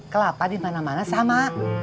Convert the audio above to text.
kelapa dimana mana sama